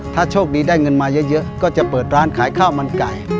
ถ้าโชคดีได้เงินมาเยอะก็จะเปิดร้านขายข้าวมันไก่